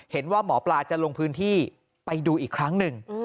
เห็นว่าหมอปลาจะลงพื้นที่ไปดูอีกครั้งหนึ่ง